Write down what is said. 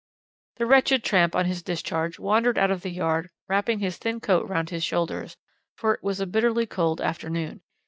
"The wretched tramp, on his discharge, wandered out of the yard, wrapping his thin coat round his shoulders, for it was a bitterly cold afternoon.